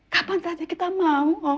kapan saja kita mau